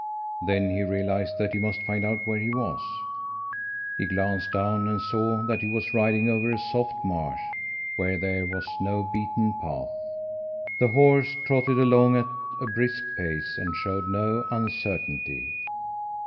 Then he realized that he must find out where he was. "He glanced down and saw that he was riding over a soft marsh, where there was no beaten path. The horse trotted along at a brisk pace and showed no uncertainty.